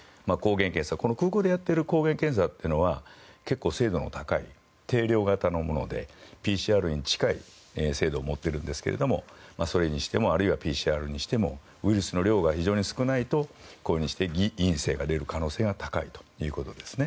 空港でやってる抗原検査というのは精度が高い定量型のものでＰＣＲに近い精度を持ってるんですけれどもそれにしてもあるいはＰＣＲにしてもウイルスの量が非常に少ないとこのように偽陰性が出る可能性が高いと。